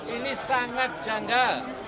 ini sangat janggal